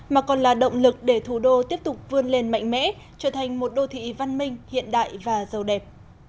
mà còn là động lực để thủ đô tiếp tục vươn lên mạnh mẽ trở thành một đô thị văn minh hiện đại và giàu đẹp